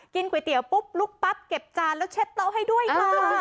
ก๋วยเตี๋ยวปุ๊บลุกปั๊บเก็บจานแล้วเช็ดเลาะให้ด้วยค่ะ